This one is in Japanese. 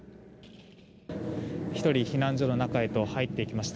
１人、避難所の中へと入っていきました。